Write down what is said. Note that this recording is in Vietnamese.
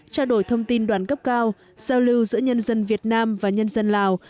trao đổi thông tin đoàn cấp cao giao lưu giữa nhân dân việt nam và nhân dân lào